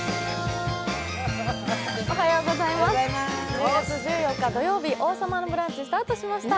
１０月１４日土曜日、「王様のブランチ」スタートしました。